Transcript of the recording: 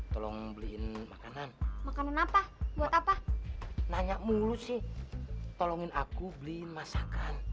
tolong beliin makanan makanan apa buat apa nanya mulu sih tolongin aku beliin masakan